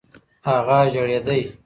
هغه ژړېدی .